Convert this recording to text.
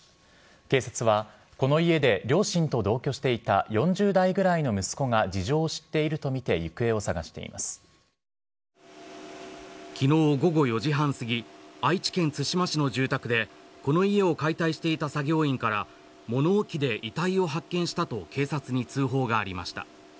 警察はこの家で両親と同居していた４０代ぐらいの息子が事情を知っているとみて昨日午後４時半すぎ愛知県津島市の住宅でこの家を解体していた作業員から物置で遺体を発見したと警察に通報がありました。